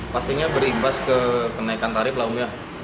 pastinya berimbas ke kenaikan tarif laumnya